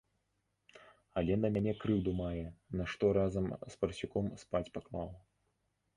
Але на мяне крыўду мае, нашто разам з парсюком спаць паклаў.